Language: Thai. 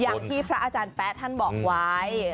อย่างที่พระอาจารย์แป๊ะท่านบอกไว้